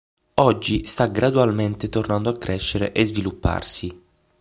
Oggi sta gradualmente tornando a crescere e svilupparsi.